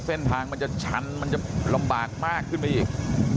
เส้นทางมันจะชันมันจะลำบากมากขึ้นไปอีก